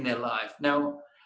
dan selama beberapa waktu